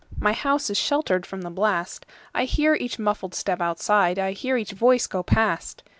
My house is sheltered from the blast.I hear each muffled step outside,I hear each voice go past.